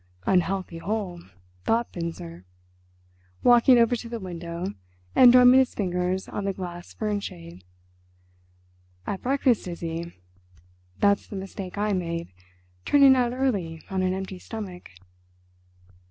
"Unhealthy hole," thought Binzer, walking over to the window and drumming his fingers on the glass fern shade. "At breakfast, is he? That's the mistake I made: turning out early on an empty stomach."